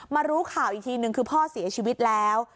รู้ข่าวอีกทีนึงคือพ่อเสียชีวิตแล้ว